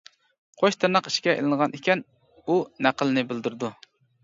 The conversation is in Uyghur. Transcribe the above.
قوش تىرناق ئىچىگە ئېلىنغان ئىكەن ئۇ نەقىلنى بىلدۈرىدۇ.